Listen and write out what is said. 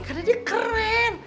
karena dia keren